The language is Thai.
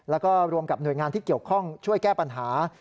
แล้วก็รวมกับหน่วยงานที่เกี่ยวข้องช่วยแก้ปัญหา